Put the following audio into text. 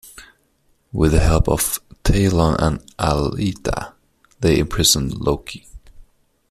With the help of Talon and Aleta, they imprison Loki.